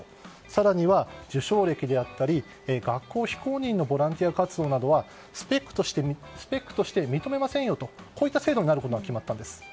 更には受賞歴であったり学校非公認のボランティア活動などはスペックとして認めませんよという制度になることが決まったんです。